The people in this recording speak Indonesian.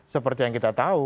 seperti yang kita tahu